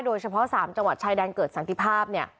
โดยเฉพาะ๓จังหวัดชายดันเกิดสันติภาพ